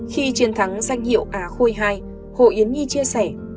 khi chiến thắng danh hiệu á khôi ii hồ yến nhi chia sẻ